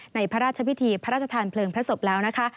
พระราชพิธีพระราชทานเพลิงพระศพแล้วนะคะ